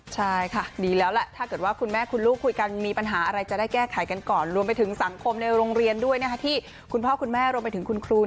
ใช่ค่ะดีแล้วแหละถ้าเกิดว่าคุณแม่คุณลูกคุยกันมีปัญหาอะไรจะได้แก้ไขกันก่อนรวมไปถึงสังคมในโรงเรียนด้วยที่คุณพ่อคุณแม่รวมไปถึงคุณครู